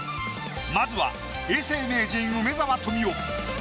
まずは永世名人梅沢富美男。